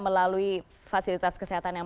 melalui fasilitas kesehatan yang